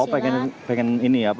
oh pengen ini apa